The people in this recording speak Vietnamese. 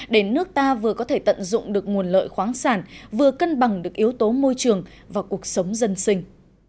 để nước ta vừa có thể tận dụng được nguồn lợi khoáng sản vừa cân bằng được yếu tố môi trường và cuộc sống dân sinh